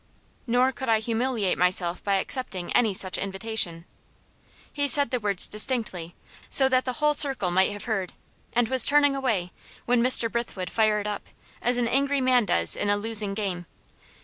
"Nor could I humiliate myself by accepting any such invitation." He said the words distinctly, so that the whole circle might have heard, and was turning away, when Mr. Brithwood fired up as an angry man does in a losing game.